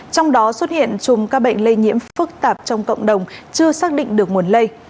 trong đó xuất hiện chùm các bệnh lây nhiễm phức tạp trong cộng đồng chưa xác định được nguồn lây